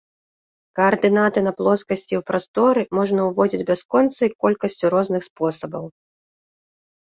Каардынаты на плоскасці і ў прасторы можна ўводзіць бясконцай колькасцю розных спосабаў.